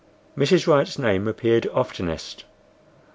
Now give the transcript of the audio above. Mrs. Wright's name appeared oftenest.